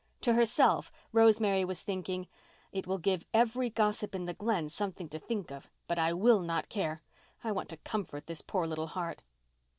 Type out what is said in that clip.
To herself, Rosemary was thinking, "It will give every gossip in the Glen something to talk of, but I will not care. I want to comfort this poor little heart."